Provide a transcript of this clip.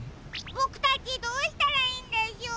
ボクたちどうしたらいいんでしょう？